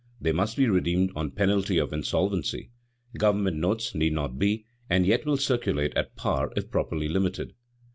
They must be redeemed on penalty of insolvency; government notes need not be, and yet will circulate at par if properly limited.